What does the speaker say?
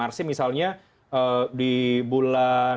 apa itu hal tersebut